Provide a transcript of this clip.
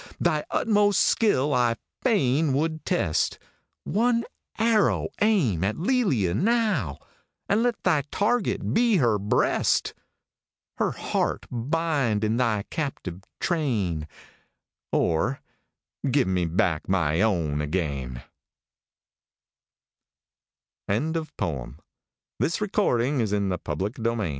Thy utmost skill I fain would test ; One arrow aim at Lelia now, And let thy target be her breast ! Her heart bind in thy captive train, Or give me back my own again 1 THE DREAM OF LOVE. I